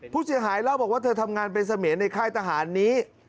ผู้เสียหายเล่าบอกว่าเธอทำงานเป็นเสมียนในค่ายทหารนี้